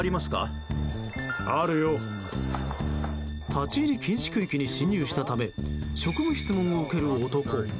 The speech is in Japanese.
立ち入り禁止区域に侵入したため職務質問を受ける男。